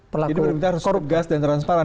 pelaku korup gas dan transparan